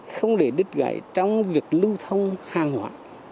không để đứt gãy trong việc lưu thông hàng hóa